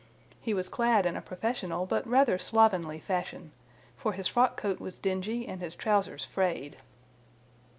He was clad in a professional but rather slovenly fashion, for his frock coat was dingy and his trousers frayed.